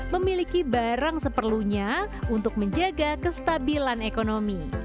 memiliki barang seperlunya untuk menjaga kestabilan ekonomi